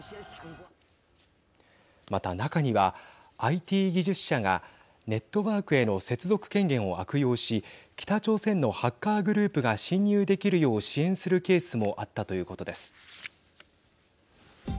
また中にはＩＴ技術者がネットワークへの接続権限を悪用し北朝鮮のハッカーグループが侵入できるよう支援するケースもあったということです。